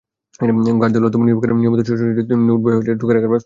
Guardiola তবু নির্বিকার, নিয়মিত ছোটাছুটি নেই, নেই নোটবইয়ে টুকে রাখার ব্যস্ততা।